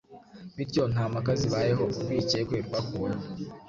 Bityo nta mpaka zibayeho, urwikekwe rwakuweho,